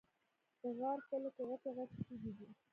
د غار خوله کې غټې غټې تیږې دي.